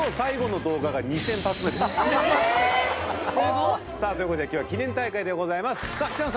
２０００発！？ということで今日は記念大会でございます